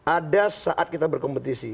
ada saat kita berkompetisi